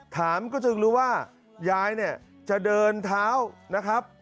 ถามก็จึงรู้ว่ายายเนี่ยจะเดินเท้านะครับ